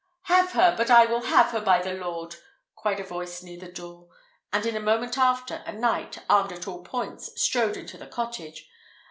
"Have her! but I will have her, by the Lord!" cried a voice near the door; and in a moment after, a knight, armed at all points, strode into the cottage.